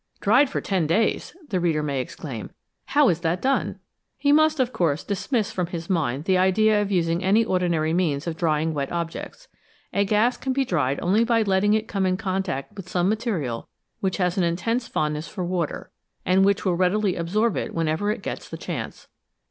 " Dried for ten days !" the reader may exclaim ;" how is that done ?" He must, of course, dismiss from his mind the idea of using any ordinary methods of drying wet objects. A gas can be dried only by letting it come in contact with some material which has an intense fond ness for water, and which will readily absorb it when ever it gets the chance.